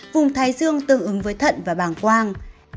vùng thái dương tương ứng với thận và bàng quang